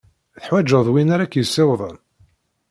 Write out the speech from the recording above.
Teḥwajed win ara k-yessiwḍen?